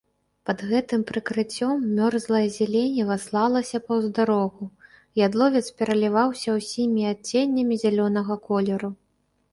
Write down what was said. Пад гэтым прыкрыццём мёрзлае зяленіва слалася паўз дарогу, ядловец пераліваўся ўсімі адценнямі зялёнага колеру.